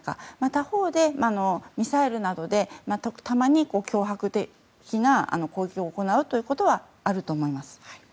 他方でミサイルなどでたまに脅迫的な攻撃を行うということはあると思います。